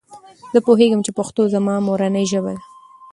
زه پوهیږم چې پښتو زما مورنۍ ژبه ده.